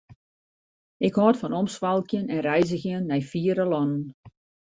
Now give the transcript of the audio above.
Ik hâld fan omswalkjen en reizgjen nei fiere lannen.